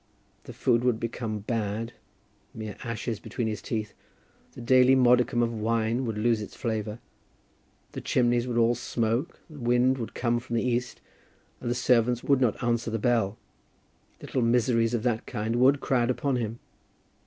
The food would become bad, mere ashes between his teeth, the daily modicum of wine would lose its flavour, the chimneys would all smoke, the wind would come from the east, and the servants would not answer the bell. Little miseries of that kind would crowd upon him.